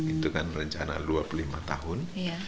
itu kan rencana dua puluh lima tahun